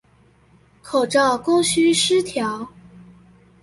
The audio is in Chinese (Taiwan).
口罩供需失調